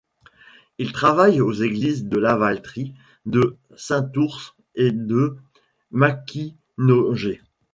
Il travaille aux églises de Lavaltrie, de Saint-Ours et de Maskinongé.